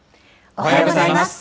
おはようございます。